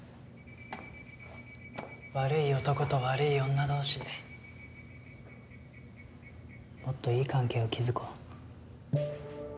悪い男と悪い女同士もっといい関係を築こう。